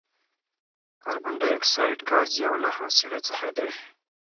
کاربن ډای اکساید ګاز یو له حاصلو څخه دی.